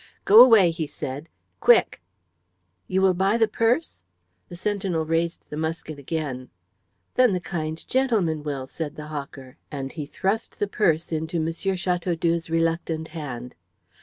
"Go away," he said, "quick!" "You will buy the purse?" The sentinel raised his musket again. "Then the kind gentleman will," said the hawker, and he thrust the purse into M. Chateaudoux's reluctant hand.